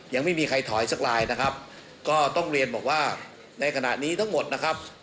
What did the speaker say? ยังไม่มีใครถอยสักลายนะครับก็ต้องเรียนบอกว่าในขณะนี้ทั้งหมดนะครับ